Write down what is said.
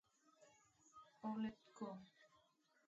Paulette Cohn.